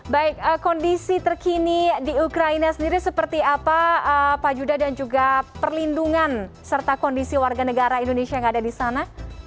baik kondisi terkini di ukraina sendiri seperti apa pak judah dan juga perlindungan serta kondisi warga negara indonesia yang ada di sana